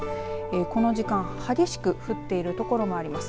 この時間激しく降っているところもあります。